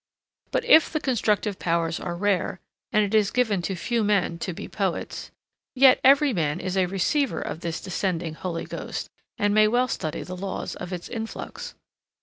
But if the constructive powers are rare and it is given to few men to be poets, yet every man is a receiver of this descending holy ghost, and may well study the laws of its influx.